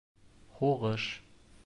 — Һуғыш...